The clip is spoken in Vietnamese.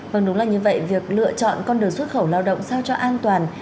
vâng đúng là như vậy việc lựa chọn con đường xuất khẩu lao động sao cho an toàn